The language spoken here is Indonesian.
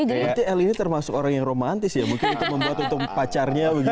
berarti eli ini termasuk orang yang romantis ya mungkin untuk membuat untuk pacarnya begitu